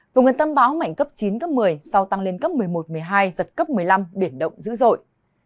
vùng nguyên tâm bão mạnh cấp chín cấp một mươi sau tăng lên cấp một mươi một một mươi hai giật cấp một mươi năm biển động dữ dội